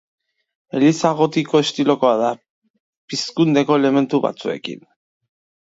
Eliza gotiko estilokoa da, pizkundeko elementu batzuekin.